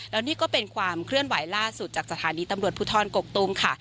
แล้วนี่ก็เป็นความเคลื่อนไหวล่าสุดจากสถานีตำรวจภูทรกกตุงค่ะ